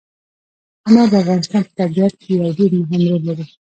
انار د افغانستان په طبیعت کې یو ډېر مهم رول لري.